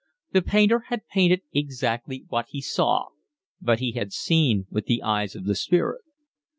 The painter had painted exactly what he saw but he had seen with the eyes of the spirit.